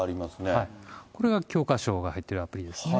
これが教科書が入ってるアプリですね。